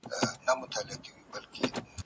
تا پر سرو شونډو پلمې راته اوډلای